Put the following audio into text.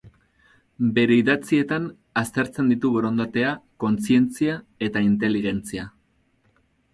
Bere idatzietan aztertzen ditu borondatea, kontzientzia eta inteligentzia.